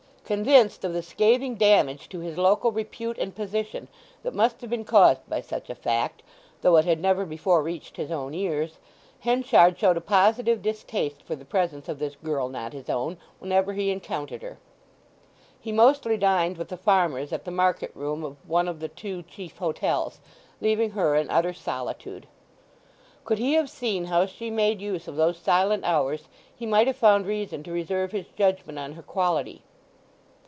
Convinced of the scathing damage to his local repute and position that must have been caused by such a fact, though it had never before reached his own ears, Henchard showed a positive distaste for the presence of this girl not his own, whenever he encountered her. He mostly dined with the farmers at the market room of one of the two chief hotels, leaving her in utter solitude. Could he have seen how she made use of those silent hours he might have found reason to reserve his judgment on her quality.